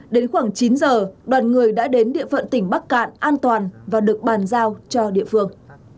đến khoảng chín giờ đoàn người đã đến địa phận tỉnh bắc cạn an toàn và được bàn giao cho địa phương